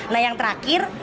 nah yang terakhir